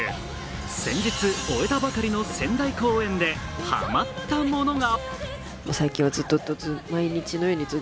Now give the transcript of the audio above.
先日終えたばかりの仙台公演でハマったものが。